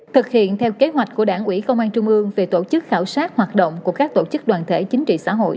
thực hiện theo kế hoạch của đảng ủy công an trung ương về tổ chức khảo sát hoạt động của các tổ chức đoàn thể chính trị xã hội